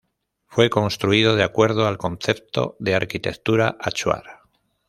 Fue construido de acuerdo al concepto de arquitectura achuar.